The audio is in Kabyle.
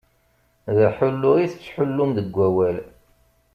D aḥullu i tettḥullum deg wawal.